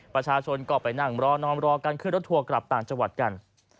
ประชาชนก็ไปนั่งรอนอมรอกันขึ้นรถทัวร์กลับต่างจังหวัดกัน